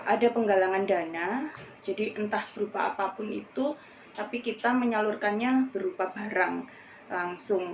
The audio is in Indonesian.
ada penggalangan dana jadi entah berupa apapun itu tapi kita menyalurkannya berupa barang langsung